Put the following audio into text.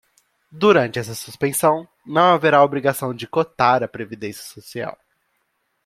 Durante esta suspensão, não haverá obrigação de cotar a previdência social.